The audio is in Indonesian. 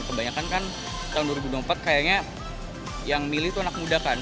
kebanyakan kan tahun dua ribu dua puluh empat kayaknya yang milih itu anak muda kan